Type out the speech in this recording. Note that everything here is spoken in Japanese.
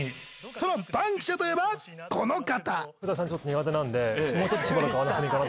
その『バンキシャ！』といえばこの方。